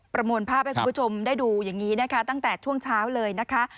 มวลภาพให้คุณผู้ชมได้ดูอย่างนี้นะคะตั้งแต่ช่วงเช้าเลยนะคะ